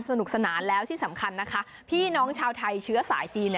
สนุกสนานแล้วที่สำคัญนะคะพี่น้องชาวไทยเชื้อสายจีน